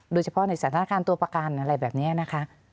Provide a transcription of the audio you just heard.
โดยเฉพาะในสถานการณ์ตัวประกันอะไรแบบนี้นะคะ